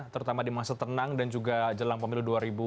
terutama di masa tenang dan juga jelang pemilu dua ribu dua puluh